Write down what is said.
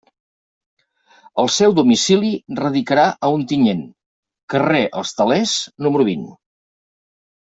El seu domicili radicarà a Ontinyent, carrer Els Telers, número vint.